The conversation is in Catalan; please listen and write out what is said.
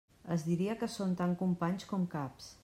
Es diria que són tant companys com caps.